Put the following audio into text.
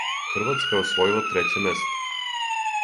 Хрватска је освојила треће место.